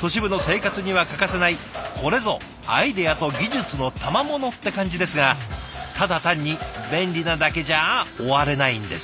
都市部の生活には欠かせないこれぞアイデアと技術のたまものって感じですがただ単に便利なだけじゃ終われないんです。